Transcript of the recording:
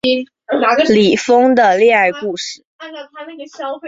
李锋的恋爱故事